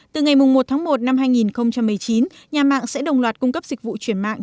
từ ngày một tháng một năm hai nghìn một mươi chín nhà mạng sẽ đồng loạt cung cấp dịch vụ chuyển mạng